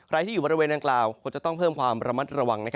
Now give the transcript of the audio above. ใครที่อยู่บริเวณดังกล่าวควรจะต้องเพิ่มความระมัดระวัง